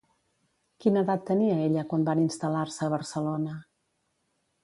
Quina edat tenia ella quan van instal·lar-se a Barcelona?